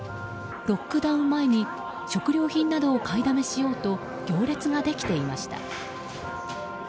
ロックダウン前に食料品などを買いだめしようと行列ができていました。